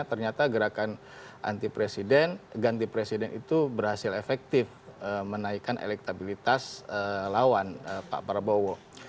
ternyata gerakan anti presiden ganti presiden itu berhasil efektif menaikkan elektabilitas lawan pak prabowo